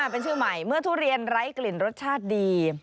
เป็นชื่อใหม่เมื่อทุเรียนไร้กลิ่นรสชาติดี